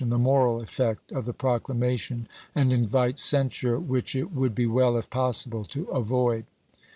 the moral effect of the proclamation, and invite censure which it would be well, if possible, to avoid.